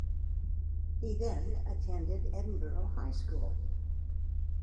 He then attended Edinburg High School.